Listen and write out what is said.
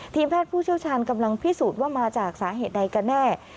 ทีมแพทย์ผู้เชี่ยวชาญกำลังพิสูจน์ว่ามาจากสาเหตุใดกันแน่